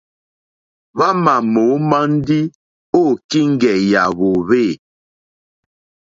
Hwámà mǒmá ndí ô kíŋgɛ̀ yà hwòhwê.